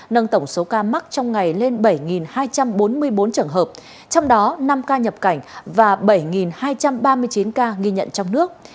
nâng tổng số ca mắc trong ngày lên bảy hai trăm bốn mươi bốn trường hợp trong đó năm ca nhập cảnh và bảy hai trăm ba mươi chín ca ghi nhận trong nước